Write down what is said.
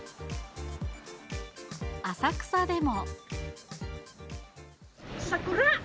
浅草でも。